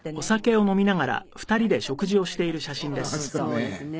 そうですね。